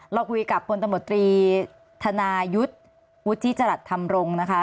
เราคุยกับพลตมตรีธนายุทธ์วุฒิจรัสธรรมรงค์นะคะ